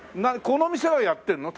この店がやってるの？